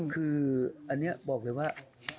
คืออันนี้บอกเลยว่า